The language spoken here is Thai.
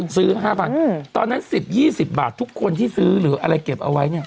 ซื้อ๕๐๐ตอนนั้น๑๐๒๐บาททุกคนที่ซื้อหรืออะไรเก็บเอาไว้เนี่ย